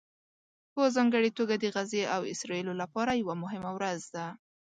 په ځانګړې توګه د غزې او اسرائیلو لپاره یوه مهمه ورځ ده